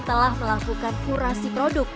telah melakukan kurasi produk